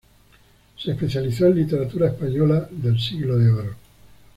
Se especializó en literatura española del Siglo de Oro.